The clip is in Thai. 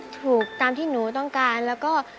พ่อค่ะพ่อที่อยู่บนสวรรค์